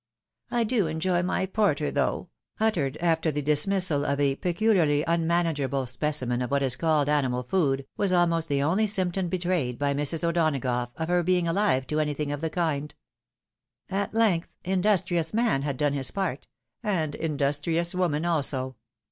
" I do enjoy my porter, though !" uttered after the dismissal of a peculiarly unmanageable specimen of what is called animal food, was almost the only symptom betrayed by Mrs. O'Dona gough of her being aUve to anything of the kind. SOCIAL STATUS DISCUSSED. 85 At length, Industrions man had done bis part, and industrious women also.